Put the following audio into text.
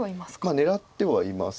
狙ってはいます。